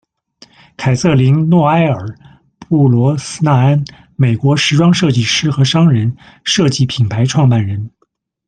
凯瑟琳·诺埃尔·布罗斯纳安，美国时装设计师和商人、设计品牌创办人。